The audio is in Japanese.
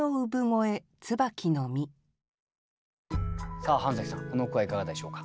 さあ半さんこの句はいかがでしょうか？